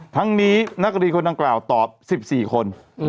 ทั้งนี้นักเรียนคนดังกล่าวตอบ๑๔คน